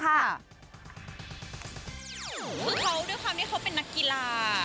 คือเขาด้วยความที่เขาเป็นนักกีฬา